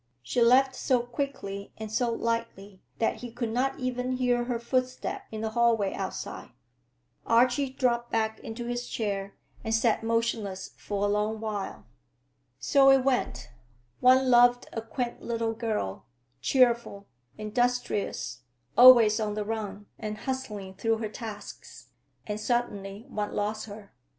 She left so quickly and so lightly that he could not even hear her footstep in the hallway outside. Archie dropped back into his chair and sat motionless for a long while. So it went; one loved a quaint little girl, cheerful, industrious, always on the run and hustling through her tasks; and suddenly one lost her.